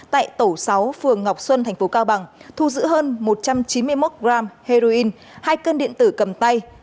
tại tổ sáu phường ngọc xuân tp cao bằng thu giữ hơn một trăm chín mươi một g heroin hai cân điện tử cầm tay